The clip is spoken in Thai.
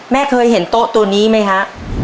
เคยเห็นโต๊ะตัวนี้ไหมฮะ